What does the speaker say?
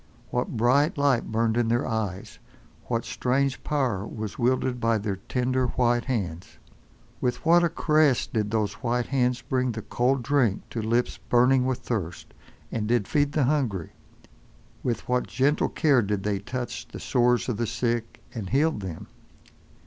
What bright light burned in their eyes, what strange power was wielded by their tender, white hands! With what a caress did those white hands bring the cold drink to lips burning with thirst, and did feed the hungry. With what gentle care did they touch the sores of the sick, and healed them!